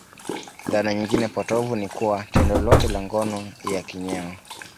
Dhana nyingine potovu ni kuwa tendo lolote la ngono ya kinyeo